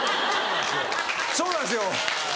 そうなんですよ。